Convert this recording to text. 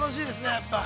やっぱり。